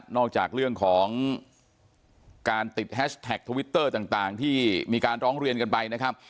จากเรื่องของการติดแฮชแท็กทวิตเตอร์ต่างที่มีการร้องเรียนกันไปนะครับ